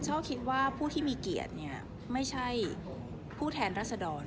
คิดว่าผู้ที่มีเกียรติเนี่ยไม่ใช่ผู้แทนรัศดร